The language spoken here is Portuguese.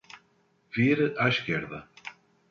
Vire à esquerda.